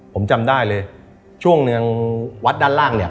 ผมจำได้เลยช่วงหนึ่งวัดด้านล่างเนี่ย